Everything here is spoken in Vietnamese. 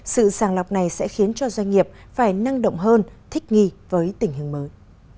sự sàng lọc này sẽ khiến cho doanh nghiệp phải năng động hơn thích nghi với tình hình mới